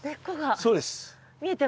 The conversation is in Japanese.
そうです。